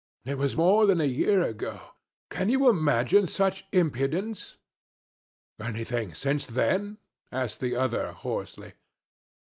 It was more than a year ago. Can you imagine such impudence!' 'Anything since then?' asked the other, hoarsely.